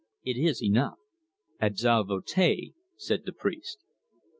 "It is enough." "Absolvo te!" said the priest.